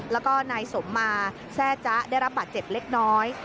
แล้วก็นายสมมาแซ่จ๊ะได้รับบาดเจ็บเล็กน้อย